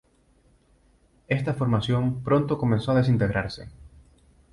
Esta formación pronto comenzó a desintegrarse.